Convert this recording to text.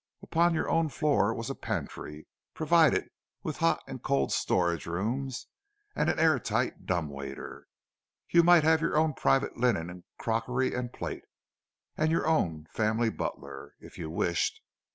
Upon your own floor was a pantry, provided with hot and cold storage rooms and an air tight dumb waiter; you might have your own private linen and crockery and plate, and your own family butler, if you wished.